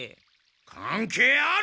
関係ある！